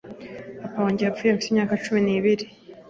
Papa wanjye yapfuye mfite imyaka cumi nibiri